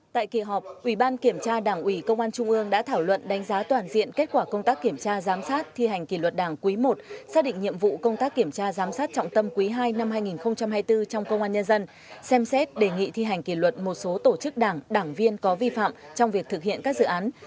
tại kỳ họp ủy ban kiểm tra đảng ủy công an trung ương đã thảo luận đánh giá toàn diện kết quả công tác kiểm tra giám sát thi hành kỷ luật đảng quý i xác định nhiệm vụ công tác kiểm tra giám sát trọng tâm quý ii năm hai nghìn hai mươi bốn trong công an nhân dân xem xét đề nghị thi hành kỷ luật một số tổ chức đảng đảng viên có vi phạm trong việc thực hiện các dự án